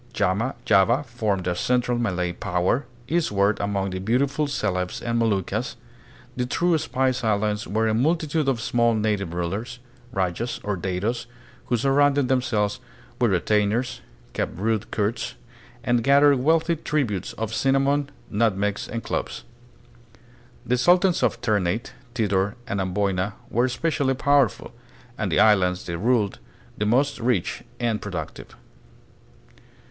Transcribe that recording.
Java formed a central Malay power. Eastward among the beautiful Celebes and Moluccas, the true Spice Islands, were a multitude of small native rulers, rajas or datos, who surrounded themselves with retain 60 THE PHILIPPINES. ers, kept rude courts, and gathered wealthy tributes of cinnamon, nutmegs, and cloves. The sultans of Ternate, Tidor, and Amboina were especially powerful, and the islands they ruled the most rich and productive.